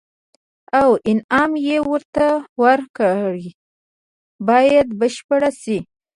او انعام یې ورته ورکړ باید بشپړ شي.